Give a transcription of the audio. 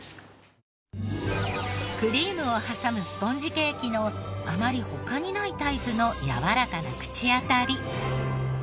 クリームを挟むスポンジケーキのあまり他にないタイプのやわらかな口当たり。